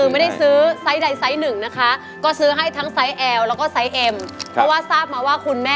มาเลยครับขออนุญาตมอบให้ค่ะ